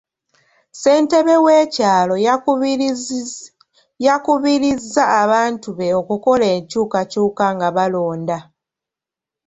Ssentebe w'ekyalo yakubirizza abantu be okukola enkyukakyuka nga balonda.